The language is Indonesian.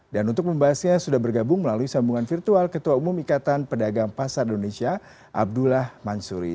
dan untuk pembahasannya sudah bergabung melalui sambungan virtual ketua umum ikatan pedagang pasar indonesia abdullah mansuri